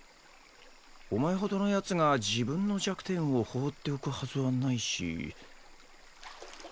お前ほどの奴が自分の弱点を放っておくはずはないし。